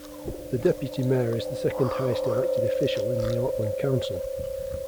The deputy mayor is the second highest elected official in the Auckland Council.